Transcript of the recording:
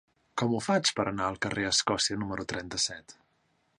Com ho faig per anar al carrer d'Escòcia número trenta-set?